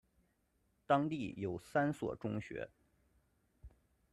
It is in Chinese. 当地有三所中学。